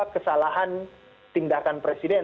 kesalahan tindakan presiden